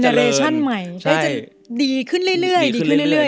เจนเรชั่นใหม่ได้ดีขึ้นเรื่อย